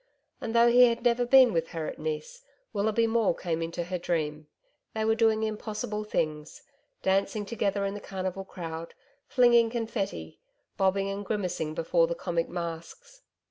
And though he had never been with her at Nice, Willoughby Maule came into her dream. They were doing impossible things dancing together in the Carnival crowd, flinging confetti, bobbing and grimacing before the comic masks.